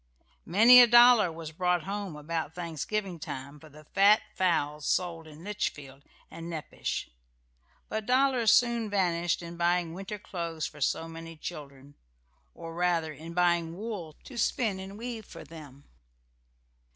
Many a dollar was brought home about Thanksgiving time for the fat fowls sold in Litchfield and Nepash; but dollars soon vanished in buying winter clothes for so many children, or rather, in buying wool to spin and weave for them.